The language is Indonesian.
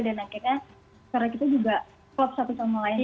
dan akhirnya karena kita juga pops satu sama lain